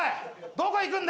どこ行くんだお前。